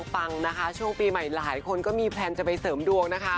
ปังนะคะช่วงปีใหม่หลายคนก็มีแพลนจะไปเสริมดวงนะคะ